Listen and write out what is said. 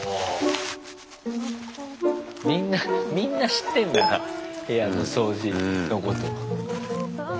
みんなみんな知ってんだな部屋の掃除のこと。